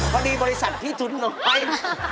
พอดีบริษัทพี่ทุนไหม